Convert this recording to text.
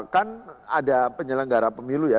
kan ada penyelenggara pemilu ya